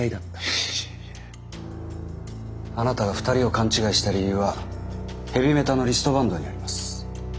あなたが２人を勘違いした理由はヘビメタのリストバンドにあります。